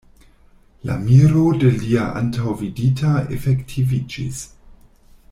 La miro de li antaŭvidita efektiviĝis.